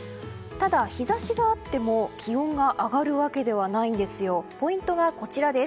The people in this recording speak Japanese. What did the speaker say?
ただ、日差しがあっても気温が上がるわけではないんです。